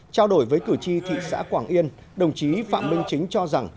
trao đổi với cử tri thị xã quảng yên đồng chí phạm minh chính cho rằng